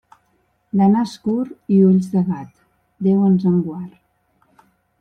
De nas curt i ulls de gat, Déu ens en guard.